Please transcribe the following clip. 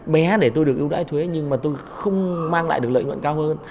bé để tôi được ưu đáy thuế nhưng mà tôi không mang lại được lợi nhuận cao hơn